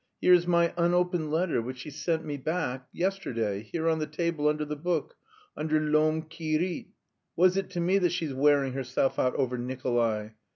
Here is my unopened letter which she sent me back yesterday, here on the table under the book, under L'Homme qui rit. What is it to me that she's wearing herself out over Nikolay!